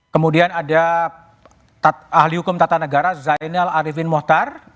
kemudian ada ahli hukum tata negara zainal arifin mohtar